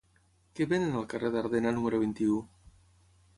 Què venen al carrer d'Ardena número vint-i-u?